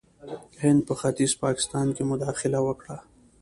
هند په ختیځ پاکستان کې مداخله وکړه.